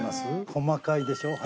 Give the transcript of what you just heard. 細かいでしょ。